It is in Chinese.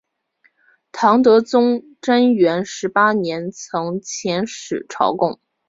唐德宗贞元十八年曾遣使朝贡。